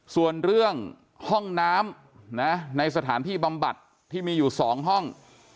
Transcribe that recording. ส่วนเรื่องห้องน้ำในสถานที่บำบัดที่มีอยู่๒ห้อง